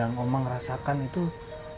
yang omang merasakan itu adalah